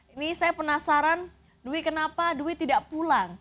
ini saya penasaran dwi kenapa dwi tidak pulang